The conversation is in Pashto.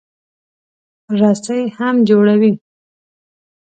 رسۍ هم جوړوي.